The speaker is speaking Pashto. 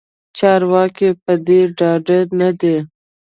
چارواکې پدې ډاډه ندي